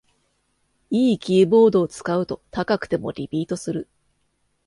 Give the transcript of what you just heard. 良いキーボードを使うと高くてもリピートする